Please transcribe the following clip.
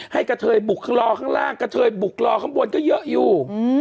กระเทยบุกรอข้างล่างกระเทยบุกรอข้างบนก็เยอะอยู่